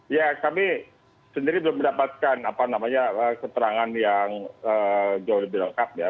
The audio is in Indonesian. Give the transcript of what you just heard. ya kami sendiri belum mendapatkan keterangan yang jauh lebih lengkap ya